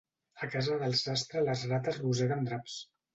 A casa del sastre les rates roseguen draps.